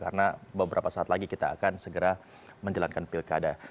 karena beberapa saat lagi kita akan segera menjelankan pilkada